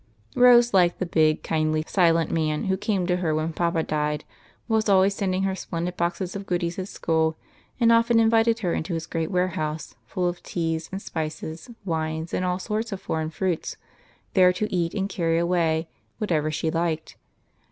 Rose liked the big, kindly, silent man who came to her when papa died, was always sending her splendid boxes of goodies at school, and often invited her into his great warehouse, full of teas and spices, Avines and all sorts of foreign fruits, there to eat and carry away whatever she liked.